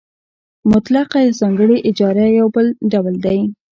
مطلقه یا ځانګړې اجاره یو بل ډول دی